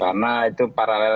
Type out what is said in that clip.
oke karena itu paralel dengan